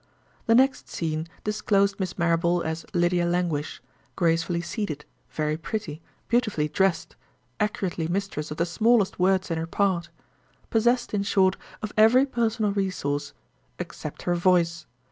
The next scene disclosed Miss Marrable as "Lydia Languish," gracefully seated, very pretty, beautifully dressed, accurately mistress of the smallest words in her part; possessed, in short, of every personal resource—except her voice.